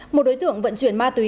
một đối tượng vận chuyển ma túy